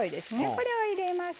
これを入れます。